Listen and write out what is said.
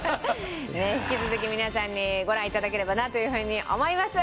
引き続き皆さんにご覧頂ければなというふうに思います。